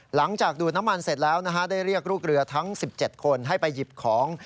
ดูดน้ำมันเสร็จแล้วนะฮะได้เรียกลูกเรือทั้ง๑๗คนให้ไปหยิบของ